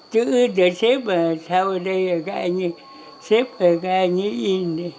chữ để xếp là sao ở đây là các anh ấy xếp là các anh ấy in